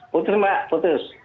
putus mbak putus